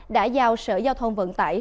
đã giao sở giao thông vận tải